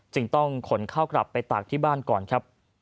จึงต้องขนข้าวกลับไปตากที่บ้านก่อนครับ